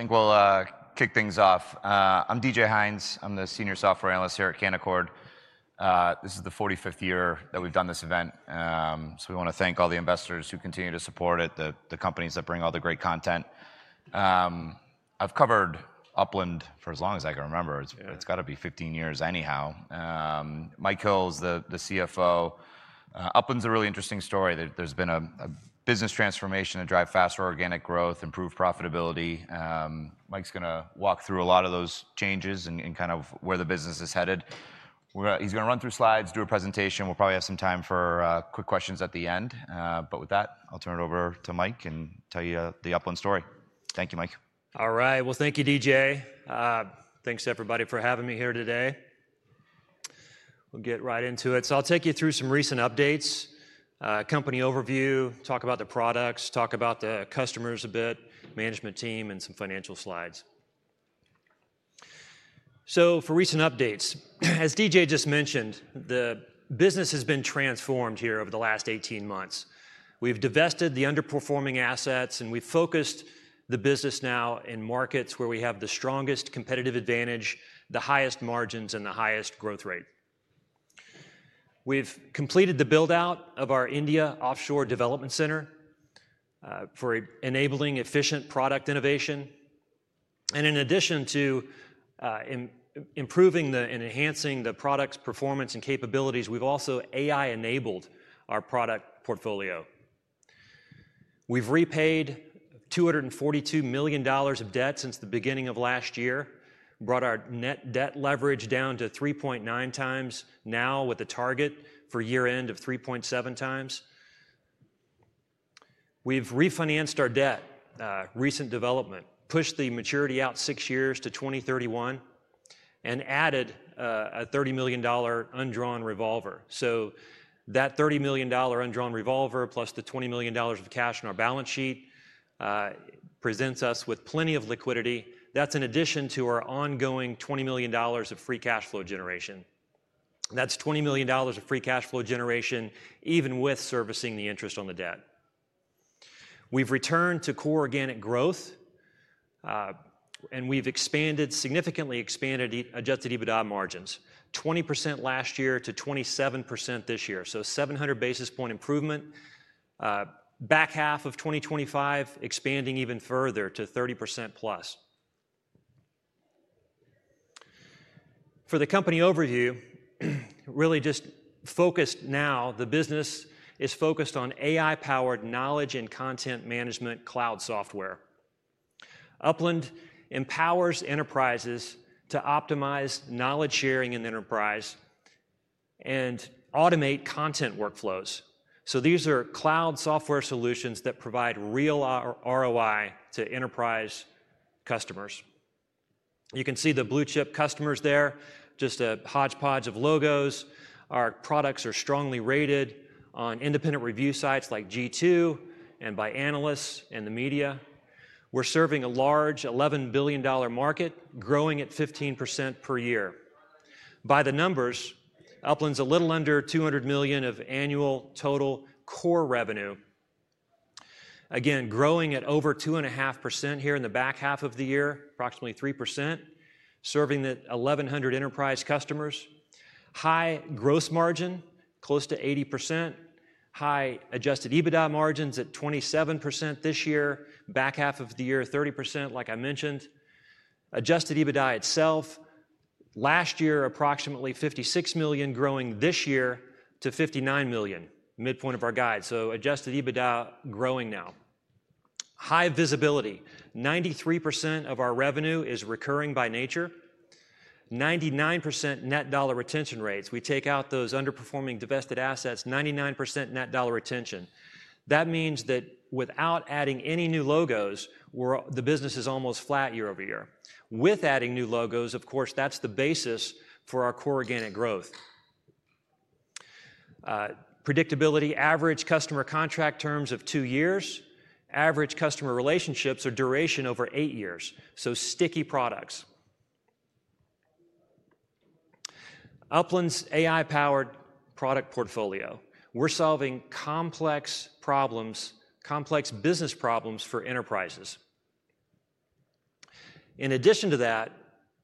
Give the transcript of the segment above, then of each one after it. I think we'll kick things off. I'm DJ Hynes. I'm the Senior Software Analyst here at Canaccord. This is the 45th year that we've done this event. We want to thank all the investors who continue to support it, the companies that bring all the great content. I've covered Upland for as long as I can remember. It's got to be 15 years anyhow. Mike Hill is the CFO. Upland is a really interesting story. There's been a business transformation to drive faster organic growth, improve profitability. Mike's going to walk through a lot of those changes and kind of where the business is headed. He's going to run through slides, do a presentation. We'll probably have some time for quick questions at the end. With that, I'll turn it over to Mike and tell you the Upland story. Thank you, Mike. All right. Thank you, DJ. Thanks, everybody, for having me here today. We'll get right into it. I'll take you through some recent updates, company overview, talk about the products, talk about the customers a bit, management team, and some financial slides. For recent updates, as DJ just mentioned, the business has been transformed here over the last 18 months. We've divested the underperforming assets, and we've focused the business now in markets where we have the strongest competitive advantage, the highest margins, and the highest growth rate. We've completed the build-out of our India offshore development center for enabling efficient product innovation. In addition to improving and enhancing the product's performance and capabilities, we've also AI-enabled our product portfolio. We've repaid $242 million of debt since the beginning of last year, brought our net debt leverage down to 3.9x, now with a target for year-end of 3.7x. We've refinanced our debt, recent development, pushed the maturity out six years to 2031, and added a $30 million undrawn revolver. That $30 million undrawn revolver plus the $20 million of cash on our balance sheet presents us with plenty of liquidity. That's in addition to our ongoing $20 million of free cash flow generation. That's $20 million of free cash flow generation even with servicing the interest on the debt. We've returned to core organic growth, and we've significantly expanded adjusted EBITDA margins, 20% last year to 27% this year, so 700 basis point improvement. Back half of 2025, expanding even further to 30%+. For the company overview, really just focused now, the business is focused on AI-powered knowledge and content management cloud software. Upland empowers enterprises to optimize knowledge sharing in the enterprise and automate content workflows. These are cloud software solutions that provide real ROI to enterprise customers. You can see the blue chip customers there, just a hodgepodge of logos. Our products are strongly rated on independent review sites like G2 and by analysts and the media. We're serving a large $11 billion market, growing at 15% per year. By the numbers, Upland is a little under $200 million of annual total core revenue. Again, growing at over 2.5% here in the back half of the year, approximately 3%, serving the 1,100 enterprise customers. High gross margin, close to 80%. High adjusted EBITDA margins at 27% this year. Back half of the year, 30%, like I mentioned. Adjusted EBITDA itself, last year approximately $56 million, growing this year to $59 million, midpoint of our guide. Adjusted EBITDA growing now. High visibility. 93% of our revenue is recurring by nature, 99% net dollar retention rates. We take out those underperforming divested assets, 99% net dollar retention. That means that without adding any new logos, the business is almost flat year-over-year. With adding new logos, of course, that's the basis for our core organic growth. Predictability, average customer contract terms of two years, average customer relationships or duration over eight years, so sticky products. Upland's AI-powered product portfolio, we're solving complex problems, complex business problems for enterprises. In addition to that,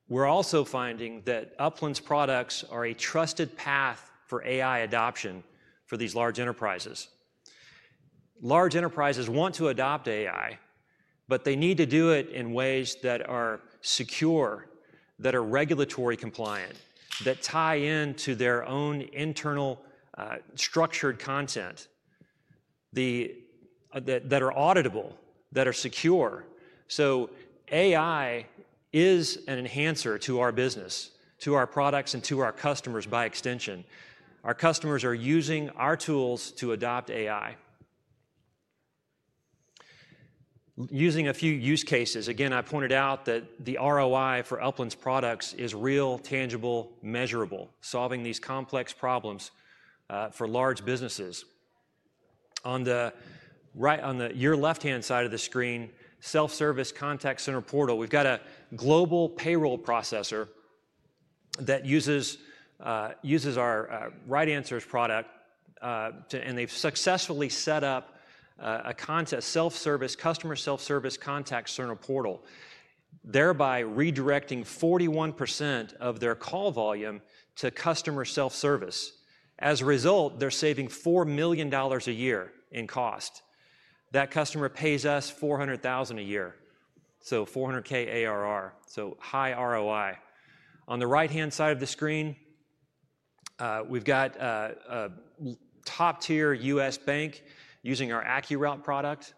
we're also finding that Upland's products are a trusted path for AI adoption for these large enterprises. Large enterprises want to adopt AI, but they need to do it in ways that are secure, that are regulatory compliant, that tie into their own internal structured content, that are auditable, that are secure. AI is an enhancer to our business, to our products, and to our customers by extension. Our customers are using our tools to adopt AI. Using a few use cases, again, I pointed out that the ROI for Upland's products is real, tangible, measurable, solving these complex problems for large businesses. On the left-hand side of the screen, self-service contact center portal, we've got a global payroll processor that uses our RightAnswers product, and they've successfully set up a self-service, customer self-service contact center portal, thereby redirecting 41% of their call volume to customer self-service. As a result, they're saving $4 million a year in cost. That customer pays us $400,000 a year, so $400,000 ARR, so high ROI. On the right-hand side of the screen, we've got a top-tier U.S. bank using our AccuRoute product.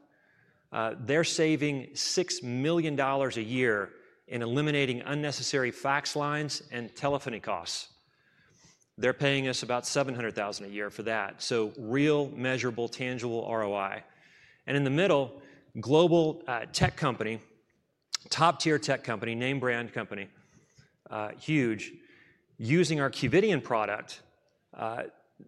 They're saving $6 million a year in eliminating unnecessary fax lines and telephony costs. They're paying us about $700,000 a year for that. Real, measurable, tangible ROI. In the middle, a global tech company, top-tier tech company, name brand company, huge, using our Qvidian product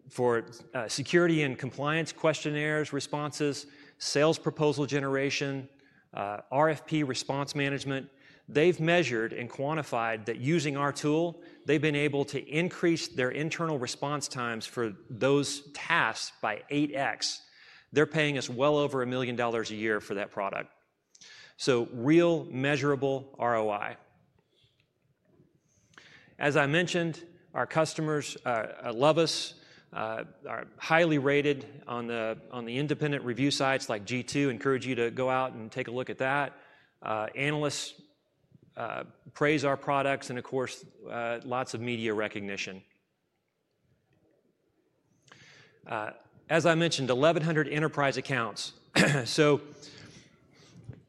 for security and compliance questionnaires, responses, sales proposal generation, RFP response management. They've measured and quantified that using our tool, they've been able to increase their internal response times for those tasks by 8x. They're paying us well over $1 million a year for that product. Real, measurable ROI. As I mentioned, our customers love us, are highly rated on the independent review sites like G2. I encourage you to go out and take a look at that. Analysts praise our products and, of course, lots of media recognition. As I mentioned, 1,100 enterprise accounts.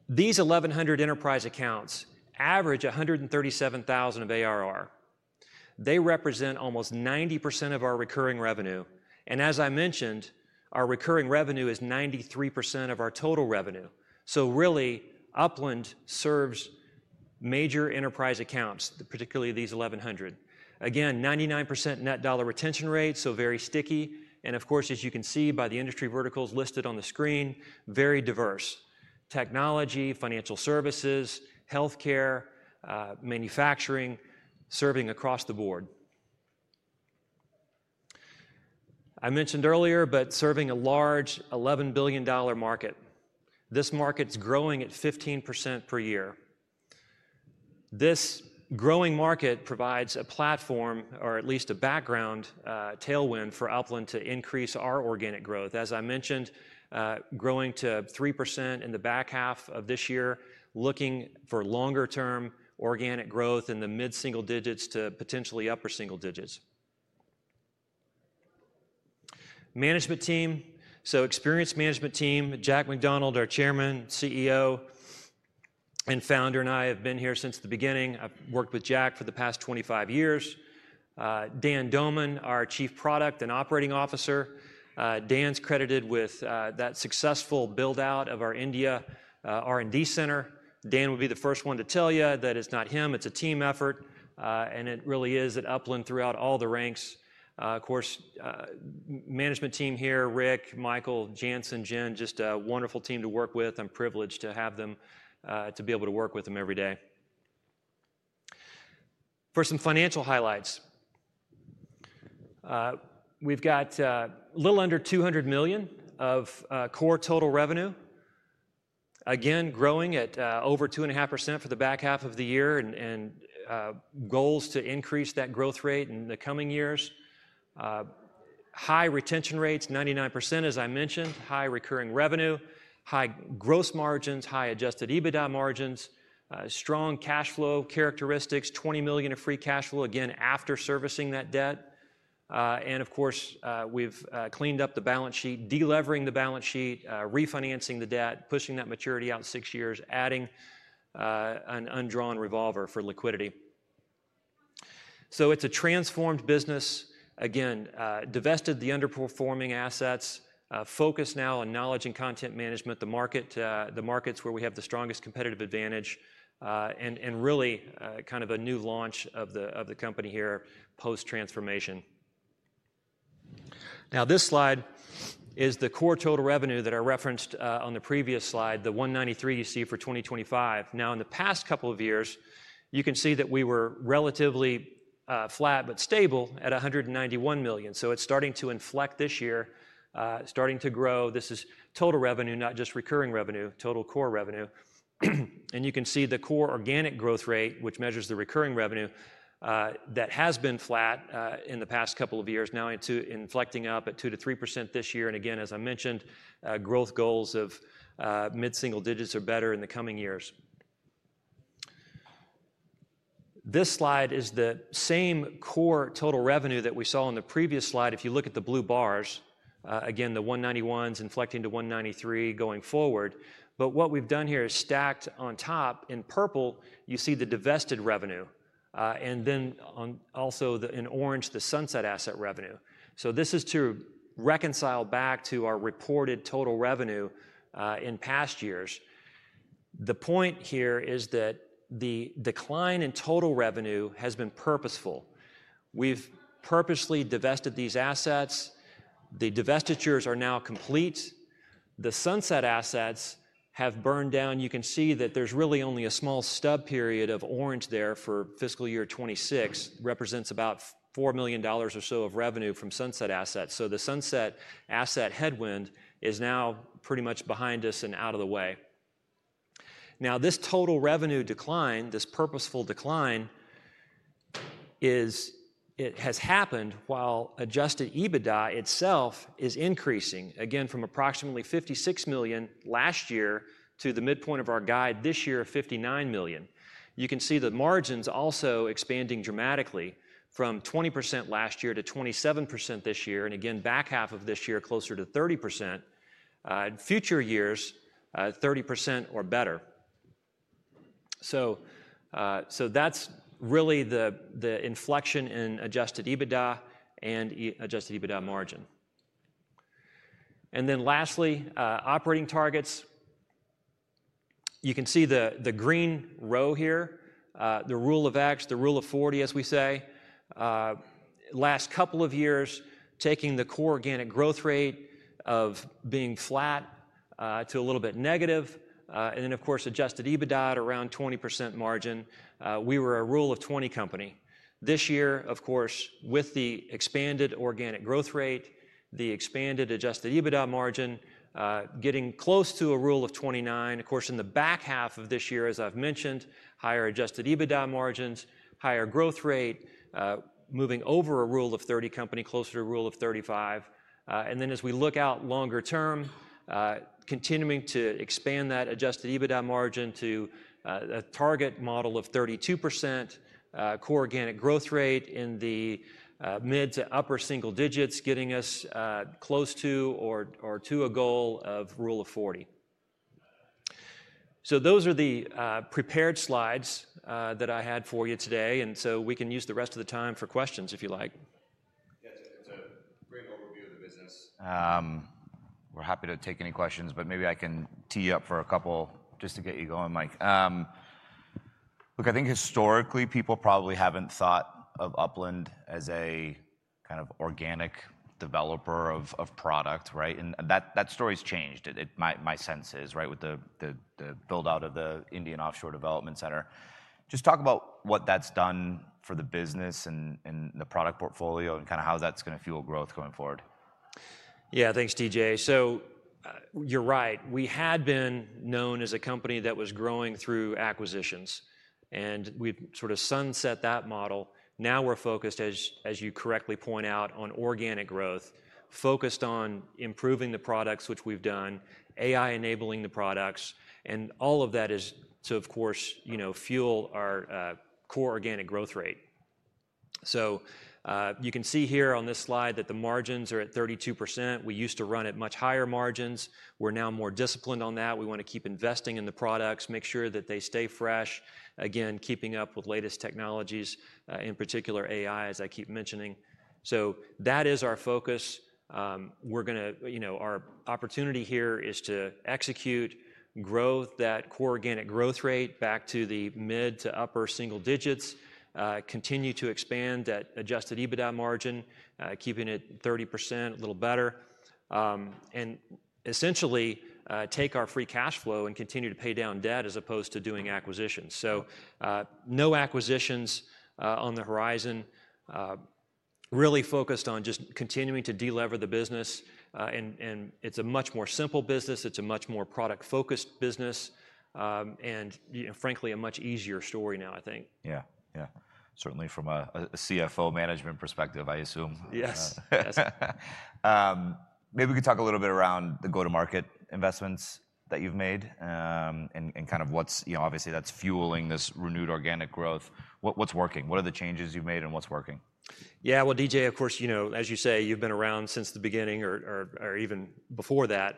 These 1,100 enterprise accounts average $137,000 of ARR. They represent almost 90% of our recurring revenue. As I mentioned, our recurring revenue is 93% of our total revenue. Upland serves major enterprise accounts, particularly these 1,100. Again, 99% net dollar retention rate, so very sticky. As you can see by the industry verticals listed on the screen, very diverse. Technology, financial services, healthcare, manufacturing, serving across the board. I mentioned earlier, serving a large $11 billion market. This market's growing at 15% per year. This growing market provides a platform, or at least a background tailwind for Upland to increase our organic growth. As I mentioned, growing to 3% in the back half of this year, looking for longer-term organic growth in the mid-single digits to potentially upper single digits. Management team, experienced management team, Jack McDonald, our Chairman, CEO, and Founder, and I have been here since the beginning. I've worked with Jack for the past 25 years. Dan Doman, our Chief Product and Operating Officer. Dan's credited with that successful build-out of our India R&D center. Dan will be the first one to tell you that it's not him. It's a team effort, and it really is at Upland throughout all the ranks. Management team here, Rick, Michael, Janssen, Jen, just a wonderful team to work with. I'm privileged to have them, to be able to work with them every day. For some financial highlights, we've got a little under $200 million of core total revenue. Growing at over 2.5% for the back half of the year and goals to increase that growth rate in the coming years. High retention rates, 99%, as I mentioned. High recurring revenue, high gross margins, high adjusted EBITDA margins, strong cash flow characteristics, $20 million of free cash flow, after servicing that debt. We've cleaned up the balance sheet, delevering the balance sheet, refinancing the debt, pushing that maturity out six years, adding an undrawn revolver for liquidity. It's a transformed business. Again, divested the underperforming assets, focused now on knowledge and content management, the markets where we have the strongest competitive advantage, and really kind of a new launch of the company here post-transformation. Now, this slide is the core total revenue that I referenced on the previous slide, the $193 million you see for 2025. In the past couple of years, you can see that we were relatively flat but stable at $191 million. It's starting to inflect this year, starting to grow. This is total revenue, not just recurring revenue, total core revenue. You can see the core organic growth rate, which measures the recurring revenue, that has been flat in the past couple of years, now inflecting up at 2%-3% this year. As I mentioned, growth goals of mid-single digits or better in the coming years. This slide is the same core total revenue that we saw on the previous slide. If you look at the blue bars, the $191 million is inflecting to $193 million going forward. What we've done here is stacked on top in purple, you see the divested revenue, and then also in orange, the sunset asset revenue. This is to reconcile back to our reported total revenue in past years. The point here is that the decline in total revenue has been purposeful. We've purposely divested these assets. The divestitures are now complete. The sunset assets have burned down. You can see that there's really only a small stub period of orange there for fiscal year 2026, represents about $4 million or so of revenue from sunset assets. The sunset asset headwind is now pretty much behind us and out of the way. This total revenue decline, this purposeful decline, it has happened while adjusted EBITDA itself is increasing, from approximately $56 million last year to the midpoint of our guide this year, $59 million. You can see the margins also expanding dramatically from 20% last year to 27% this year, back half of this year, closer to 30%. In future years, 30% or better. That's really the inflection in adjusted EBITDA and adjusted EBITDA margin. Lastly, operating targets. You can see the green row here, the rule of X, the rule of 40, as we say. Last couple of years, taking the core organic growth rate of being flat to a little bit negative, and then, of course, adjusted EBITDA at around 20% margin. We were a rule of 20 company. This year, of course, with the expanded organic growth rate, the expanded adjusted EBITDA margin getting close to a rule of 29. Of course, in the back half of this year, as I've mentioned, higher adjusted EBITDA margins, higher growth rate, moving over a rule of 30 company, closer to a rule of 35. As we look out longer term, continuing to expand that adjusted EBITDA margin to a target model of 32%, core organic growth rate in the mid to upper single digits, getting us close to or to a goal of rule of 40. Those are the prepared slides that I had for you today. We can use the rest of the time for questions if you like. Yeah, it's a pretty normal view of the business. We're happy to take any questions, but maybe I can tee you up for a couple just to get you going, Mike. Look, I think historically, people probably haven't thought of Upland as a kind of organic developer of product, right? That story's changed, my sense is, with the build-out of the Indian offshore development center. Just talk about what that's done for the business and the product portfolio and how that's going to fuel growth going forward. Yeah, thanks, DJ. You're right. We had been known as a company that was growing through acquisitions, and we've sort of sunset that model. Now we're focused, as you correctly point out, on organic growth, focused on improving the products, which we've done, AI-enabling the products, and all of that is to, of course, fuel our core organic growth rate. You can see here on this slide that the margins are at 32%. We used to run at much higher margins. We're now more disciplined on that. We want to keep investing in the products, make sure that they stay fresh, again, keeping up with latest technologies, in particular AI, as I keep mentioning. That is our focus. Our opportunity here is to execute, grow that core organic growth rate back to the mid to upper single digits, continue to expand that adjusted EBITDA margin, keeping it 30%, a little better, and essentially take our free cash flow and continue to pay down debt as opposed to doing acquisitions. No acquisitions on the horizon, really focused on just continuing to delever the business. It's a much more simple business. It's a much more product-focused business and, frankly, a much easier story now, I think. Yeah, yeah. Certainly from a CFO management perspective, I assume. Yes. Maybe we could talk a little bit around the go-to-market investments that you've made and kind of what's, you know, obviously, that's fueling this renewed organic growth. What's working? What are the changes you've made and what's working? Yeah, DJ, of course, you know, as you say, you've been around since the beginning or even before that.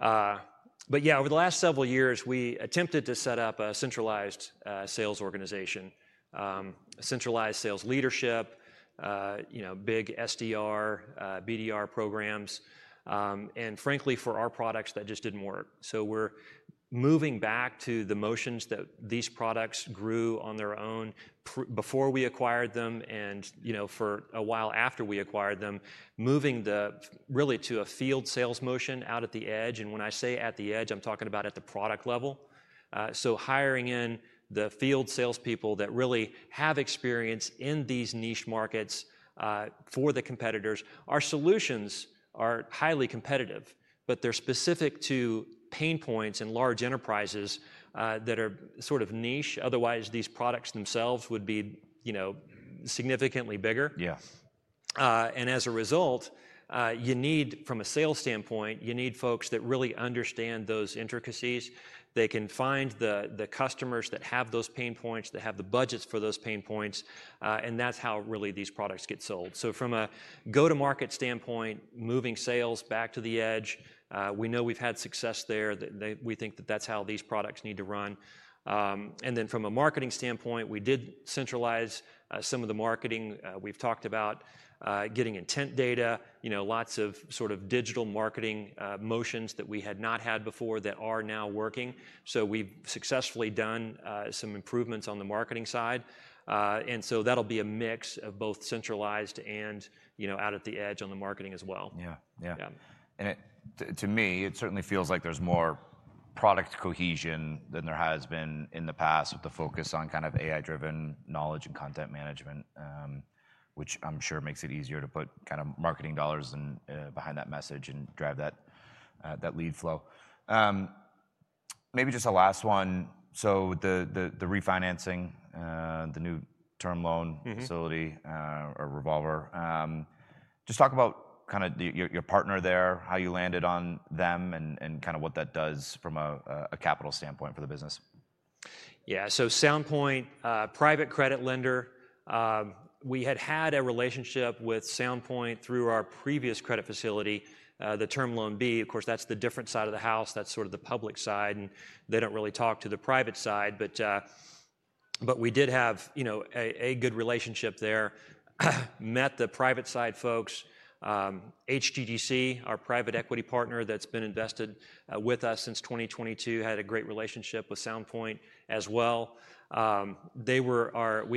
Over the last several years, we attempted to set up a centralized sales organization, a centralized sales leadership, big SDR, BDR programs, and frankly, for our products, that just didn't work. We're moving back to the motions that these products grew on their own before we acquired them and, you know, for a while after we acquired them, moving really to a field sales motion out at the edge. When I say at the edge, I'm talking about at the product level. Hiring in the field salespeople that really have experience in these niche markets for the competitors. Our solutions are highly competitive, but they're specific to pain points in large enterprises that are sort of niche. Otherwise, these products themselves would be significantly bigger. Yeah. As a result, you need, from a sales standpoint, folks that really understand those intricacies. They can find the customers that have those pain points, that have the budgets for those pain points, and that's how really these products get sold. From a go-to-market standpoint, moving sales back to the edge, we know we've had success there. We think that that's how these products need to run. From a marketing standpoint, we did centralize some of the marketing. We've talked about getting intent data, lots of sort of digital marketing motions that we had not had before that are now working. We've successfully done some improvements on the marketing side. That'll be a mix of both centralized and out at the edge on the marketing as well. Yeah, yeah. To me, it certainly feels like there's more product cohesion than there has been in the past with the focus on kind of AI-driven knowledge and content management, which I'm sure makes it easier to put kind of marketing dollars behind that message and drive that lead flow. Maybe just a last one. The refinancing, the new term loan facility or revolver, just talk about kind of your partner there, how you landed on them, and kind of what that does from a capital standpoint for the business. So Sound Point, private credit lender. We had had a relationship with Sound Point through our previous credit facility, the Term Loan B. Of course, that's the different side of the house. That's sort of the public side, and they don't really talk to the private side. We did have a good relationship there, met the private side folks. HGGC, our private equity partner that's been invested with us since 2022, had a great relationship with Sound Point as well. We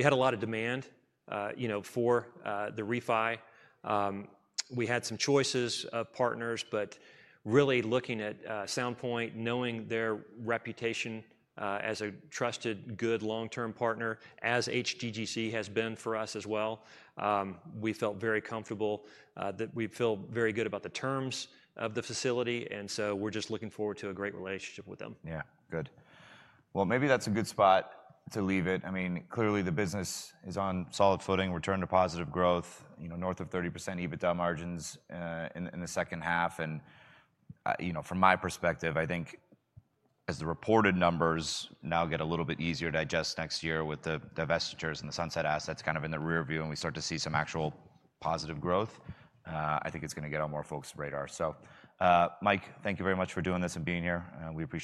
had a lot of demand for the refi. We had some choices of partners, but really looking at Sound Point, knowing their reputation as a trusted, good long-term partner, as HGGC has been for us as well, we felt very comfortable that we'd feel very good about the terms of the facility. We're just looking forward to a great relationship with them. Yeah, good. Maybe that's a good spot to leave it. I mean, clearly, the business is on solid footing, return to positive growth, you know, north of 30% EBITDA margins in the second half. From my perspective, I think as the reported numbers now get a little bit easier to adjust next year with the divestitures and the sunset assets kind of in the rearview and we start to see some actual positive growth, I think it's going to get on more folks' radars. Mike, thank you very much for doing this and being here. We appreciate it.